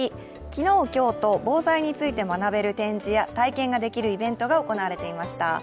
昨日、今日と防災について学べる展示や体験ができるイベントが行われていました。